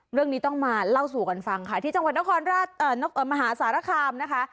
เรื่องนี้ต้องมาเล่าสู่กันฟังค่ะที่จังหวัดนครมหาสารคามนะคะ